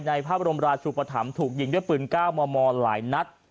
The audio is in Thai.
ในภาพรมราชุปธรรมถูกยิงด้วยปืนก้าวมอมมอล์หลายนัด